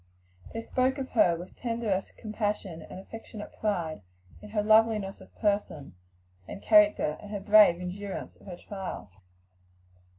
They spoke of her with tenderest compassion, and affectionate pride in her loveliness of person and character, and her brave endurance of her trial.